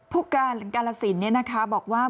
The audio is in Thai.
ผู้การการสินเนี่ยนะคะบอกว่า